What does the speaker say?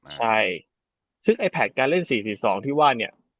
ใช่ซึ่งไอ้แพลตการเล่น๔๔๒ที่ว่าเนี่ย